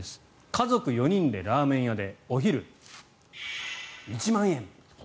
家族４人でラーメン屋でお昼、１万円。